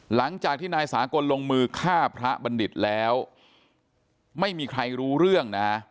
หลังจากที่นายสากลลงมือฆ่าพระบัณฑิตแล้วไม่มีใครรู้เรื่องนะ